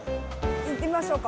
行ってみましょうか。